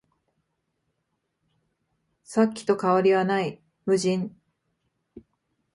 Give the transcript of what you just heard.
さっきと変わりはない、無人